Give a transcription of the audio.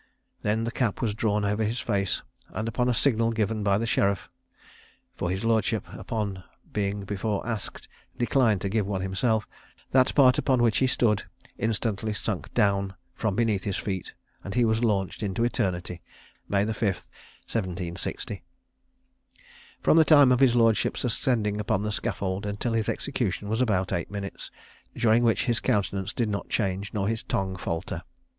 Then the cap was drawn over his face, and, upon a signal given by the sheriff, (for his lordship, upon being before asked, declined to give one himself,) that part upon which he stood instantly sunk down from beneath his feet, and he was launched into eternity May the 5th 1760. From the time of his lordship's ascending upon the scaffold, until his execution, was about eight minutes; during which his countenance did not change, nor his tongue falter.